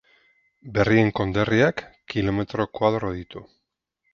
Berrien konderriak kilometro koadro ditu.